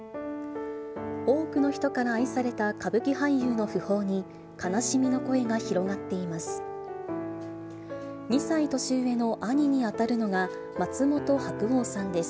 多くの人から愛された歌舞伎俳優の訃報に、悲しみの声が広がっています。